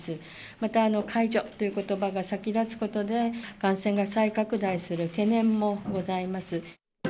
また、解除ということばが先立つことで、感染が再拡大する懸念もございます。